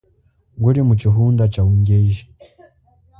Nguli muchihunda cha ungeji.